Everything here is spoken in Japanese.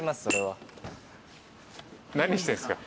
何してんすか？